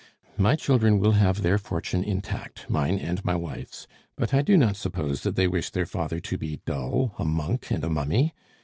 My children will have their fortune intact, mine and my wife's; but I do not suppose that they wish their father to be dull, a monk and a mummy!